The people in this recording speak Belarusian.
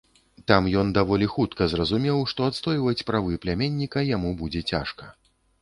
Там ён даволі хутка зразумеў, што адстойваць правы пляменніка яму будзе цяжка.